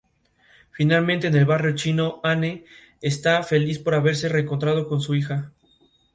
Fueron las únicas elecciones en utilizar este sistema.